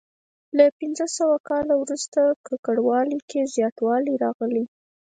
له پنځه سوه کال وروسته ککړوالي کې زیاتوالی راغلی.